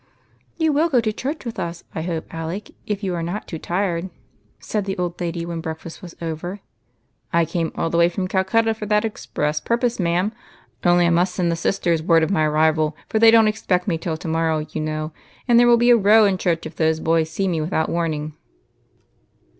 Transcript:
" You will go to church with us, I hope. Alec, if you are not too tired," said the old lady, when breakfast was over. " I came all the way from Calcutta for that express purpose, ma'am. Only I must send the sisters word of my arrival, for they don't expect me till to morrow, you know, and there will be a row in church if those boys see me without warning."